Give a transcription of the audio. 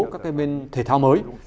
các bên thể thao mới